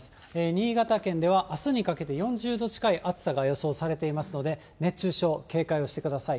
新潟県ではあすにかけて４０度近い暑さが予想されていますので、熱中症、警戒をしてください。